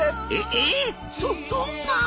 えっそそんなあ！